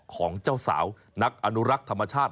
ของเจ้าสาวนักอนุรักษ์ธรรมชาติ